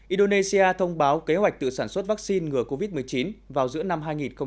indonesia thông báo kế hoạch tự sản xuất vaccine ngừa covid một mươi chín vào giữa năm hai nghìn hai mươi